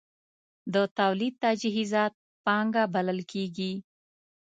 د تولید تجهیزات پانګه بلل کېږي.